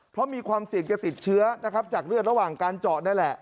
เพราะมีความเสี่ยงจะติดเชื้อนะครับจากเลือดระหว่างการเจาะนั่นแหละ